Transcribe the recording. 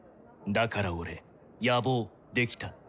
だからオレ野望できた。